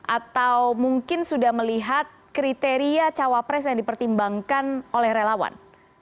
atau mungkin sudah melihat kriteria cawapres yang dipertimbangkan oleh relawan